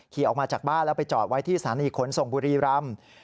ออกมาจากบ้านแล้วไปจอดไว้ที่สถานีขนส่งบุรีรำ